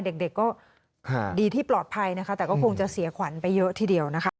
เด็กก็ดีที่ปลอดภัยนะคะแต่ก็คงจะเสียขวัญไปเยอะทีเดียวนะคะ